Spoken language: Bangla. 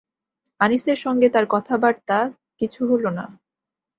আনিসের সঙ্গে তার কথাবার্তা কিছু হলো না।